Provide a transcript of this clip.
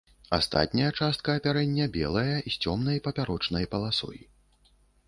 Астатняя частка апярэння белая з цёмнай папярочнай паласой.